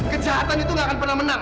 kejahatan itu gak akan pernah menang